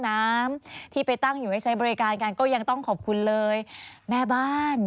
น้ำที่ไปตั้งอยู่ให้ใช้บริการกันก็ยังต้องขอบคุณเลยแม่บ้าน